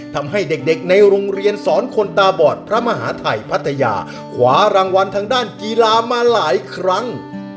ทำให้เด็กในโรงเรียนสอนคนตาบอดพระมหาทัยพัทยาขวารางวัลทางด้านกีฬามาหลายครั้ง